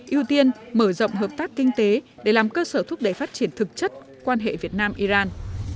ưu tiên mở rộng hợp tác kinh tế để làm cơ sở thúc đẩy phát triển thực chất quan hệ việt nam iran